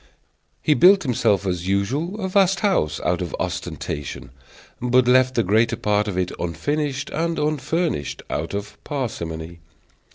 He built himself, as usual, a vast house, out of ostentation, but left the greater part of it unfinished and unfurnished, out of parsimony.